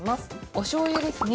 おしょうゆですね。